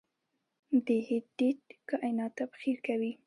د هیټ ډیت کائنات تبخیر کوي.